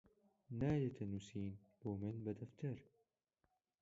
نایەتە نووسین بۆ من بە دەفتەر